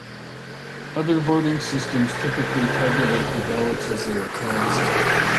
Other voting systems typically tabulate the ballots as they are cast.